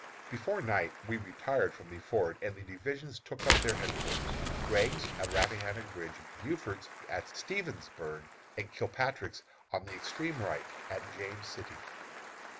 Before night we retired from the ford, and the divisions took up their headquarters, Gregg's, at Rappahannock Bridge; Buford's, at Stevensburg; and Kilpatrick's, on the extreme right, at James City.